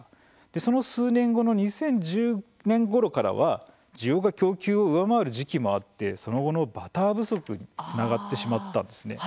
その数年後の２０１０年ごろからは需要が供給を上回る時期もあってその後のバター不足につながってしまったんですね。